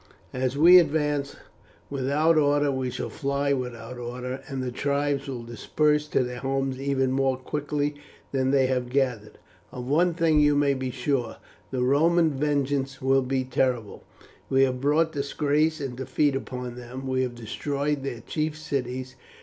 As we advance without order we shall fly without order, and the tribes will disperse to their homes even more quickly than they have gathered. Of one thing you may be sure, the Roman vengeance will be terrible. We have brought disgrace and defeat upon them. We have destroyed their chief cities.